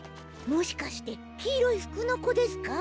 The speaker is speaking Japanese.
もしかしてきいろいふくのこですか？